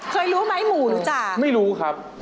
เคยรู้ไหมหมูรู้จักไม่รู้ครับ